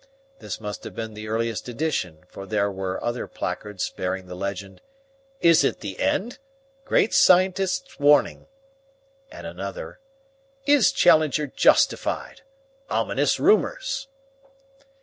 This must have been the earliest edition, for there were other placards bearing the legend, "Is It the End? Great Scientist's Warning." And another, "Is Challenger Justified? Ominous Rumours."